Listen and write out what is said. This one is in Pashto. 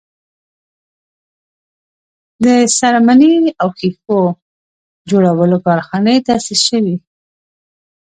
د څرمنې او ښیښو جوړولو کارخانې تاسیس شوې.